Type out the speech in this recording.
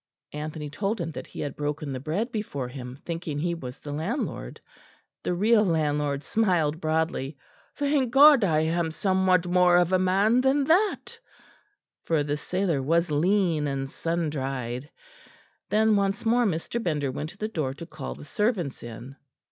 Anthony told him that he had broken the bread before him, thinking he was the landlord. The real landlord smiled broadly. "Thank God, I am somewhat more of a man than that," for the sailor was lean and sun dried. Then once more Mr. Bender went to the door to call the servants in.